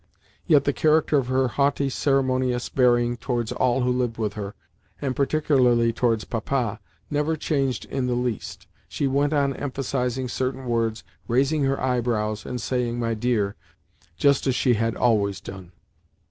Yet the character of her haughty, ceremonious bearing towards all who lived with her, and particularly towards Papa, never changed in the least. She went on emphasising certain words, raising her eyebrows, and saying "my dear," just as she had always done.